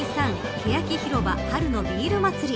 けやきひろば春のビール祭り。